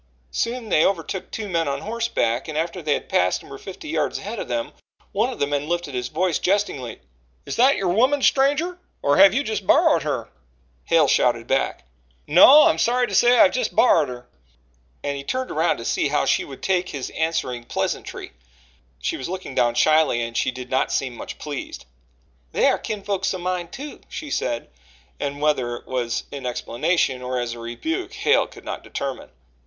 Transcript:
Soon they overtook two men on horseback, and after they passed and were fifty yards ahead of them, one of the men lifted his voice jestingly: "Is that your woman, stranger, or have you just borrowed her?" Hale shouted back: "No, I'm sorry to say, I've just borrowed her," and he turned to see how she would take this answering pleasantry. She was looking down shyly and she did not seem much pleased. "They are kinfolks o' mine, too," she said, and whether it was in explanation or as a rebuke, Hale could not determine.